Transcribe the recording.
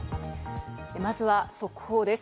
まずは速報です。